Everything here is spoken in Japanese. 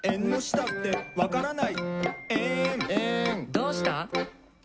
「どうした？」